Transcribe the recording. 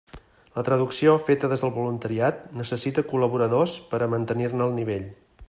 La traducció, feta des del voluntariat, necessita col·laboradors per a mantenir-ne el nivell.